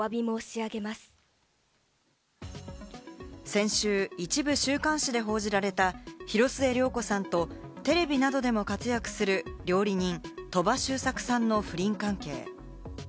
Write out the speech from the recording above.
先週、一部週刊誌で報じられた広末涼子さんとテレビなどでも活躍する料理人・鳥羽周作さんの不倫関係。